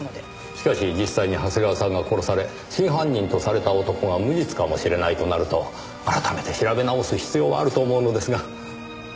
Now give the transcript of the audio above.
しかし実際に長谷川さんが殺され真犯人とされた男が無実かもしれないとなると改めて調べ直す必要はあると思うのですが。